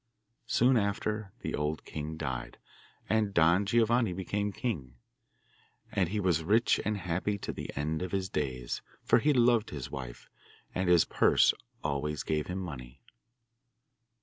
Soon after the old king died, and Don Giovanni became king. And he was rich and happy to the end of his days, for he loved his wife, and his purse always gave him money.